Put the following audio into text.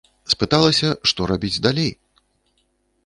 Спыталася, што рабіць далей?